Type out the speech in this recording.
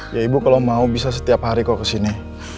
ya ibu kalau mau bisa setiap hari kok kesini